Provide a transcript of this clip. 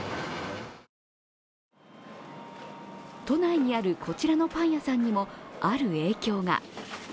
都内にある、こちらのパン屋さんにも、ある影響が。